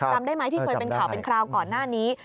จำได้ไหมที่เคยเป็นข่าวเป็นคราวก่อนหน้านี้